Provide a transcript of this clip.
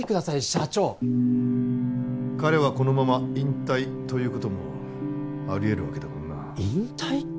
社長彼はこのまま引退ということもあり得るわけだからな引退？